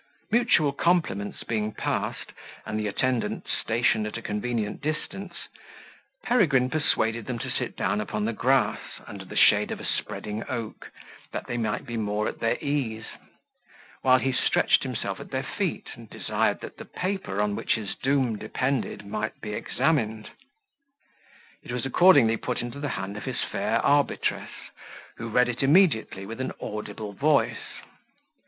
Mutual compliments being passed, and the attendant stationed at a convenient distance, Peregrine persuaded them to sit down upon the grass, under the shade of a spreading oak, that they might be more at their ease; while he stretched himself at their feet, and desired that the paper on which his doom depended might be examined. It was accordingly put into the hand of his fair arbitress, who read it immediately with an audible voice.